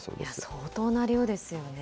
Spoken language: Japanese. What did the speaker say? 相当な量ですよね。